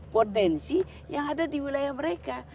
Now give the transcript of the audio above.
potensi yang ada di wilayah mereka